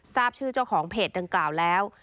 ทราบชื่อเจ้าของเพจดังกล่าวแล้ว